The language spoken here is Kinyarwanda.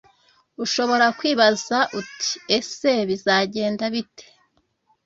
ushobora kwibaza uti ese bizagenda bite